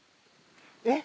えっ？